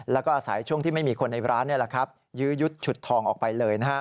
แล้วก็อาศัยช่วงที่ไม่มีคนในร้านยื้อยุดฉุดทองออกไปเลย